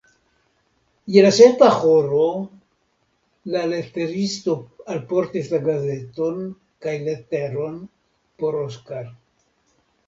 Je la sepa horo la leteristo alportis la gazeton kaj leteron por Oskar.